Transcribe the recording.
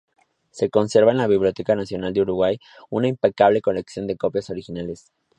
Se conserva en la Biblioteca Nacional de Uruguay una impecable colección de copias originales.